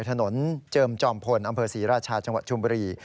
ถนนเจิมจอมพลอำเภอศรีราชาจังหวัดชุมบุรี